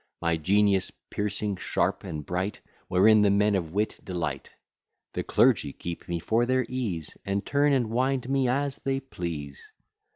My genius piercing, sharp, and bright, Wherein the men of wit delight. The clergy keep me for their ease, And turn and wind me as they please.